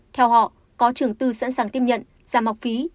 theo họ có trường tư sẵn sàng tiếp nhận giảm học phí